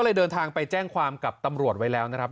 เลยเดินทางไปแจ้งความกับตำรวจไว้แล้วนะครับ